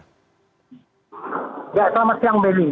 selamat siang benny